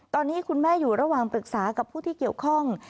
ตอนนี้คุณแม่อยู่ระหว่างปรึกษากับผู้ที่เกี่ยวข้อง